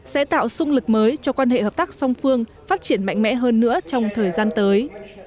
sẽ tạo sung lực mới cho quan hệ hợp tác song phương phát triển mạnh mẽ hơn nữa trong thời gian tới